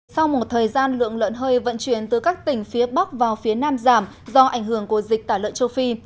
sau một thời gian lượng lợn hơi vận chuyển từ các tỉnh phía bắc vào phía nam giảm do ảnh hưởng của dịch tả lợn châu phi